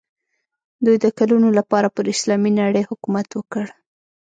دوی د کلونو لپاره پر اسلامي نړۍ حکومت وکړ.